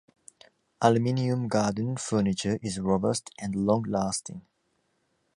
Aluminium garden furniture is robust and long-lasting.